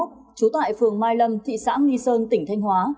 trú tại phường mai lâm thị xã nghi sơn tỉnh thanh hóa